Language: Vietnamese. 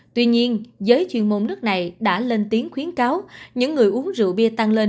tuy nhiên giới chuyên môn nước này đã lên tiếng khuyến cáo những người uống rượu bia tăng lên